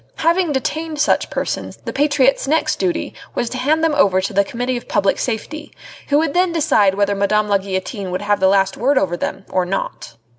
Having detained such persons, the patriot's next duty was to hand them over to the Committee of Public Safety, who would then decide whether Madame la Guillotine would have the last word over them or not.